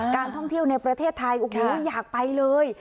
การท่องเที่ยวในประเทศไทยโอ้โหอยากไปเลย